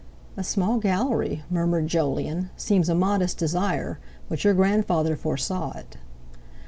"A small Gallery," murmured Jolyon, "seems a modest desire. But your grandfather foresaw it."